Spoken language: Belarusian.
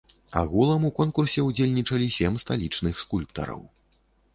Агулам у конкурсе ўдзельнічалі сем сталічных скульптараў.